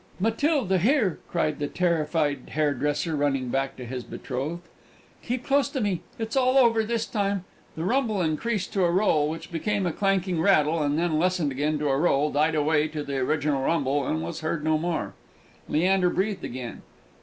"Matilda, here!" cried the terrified hairdresser, running back to his betrothed; "keep close to me. It's all over this time!" The rumble increased to a roll, which became a clanking rattle, and then lessened again to a roll, died away to the original rumble, and was heard no more. Leander breathed again.